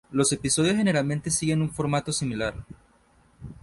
Los episodios generalmente siguen un formato similar.